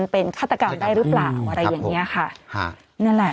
เป็นฆาตกรรมได้หรือเปล่าอะไรอย่างเงี้ยค่ะฮะนั่นแหละ